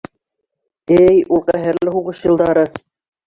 — Эй, ул ҡәһәрле һуғыш йылдары!